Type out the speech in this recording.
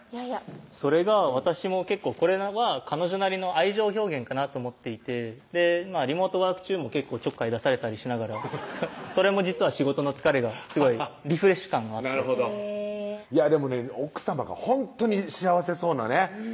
それが私も結構これは彼女なりの愛情表現かなと思っていてリモートワーク中も結構ちょっかい出されたりしながらそれも実は仕事の疲れがすごいリフレッシュ感もあってでもね奥さまがほんとに幸せそうなね